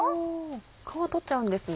皮取っちゃうんですね。